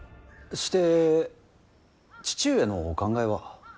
して父上のお考えは。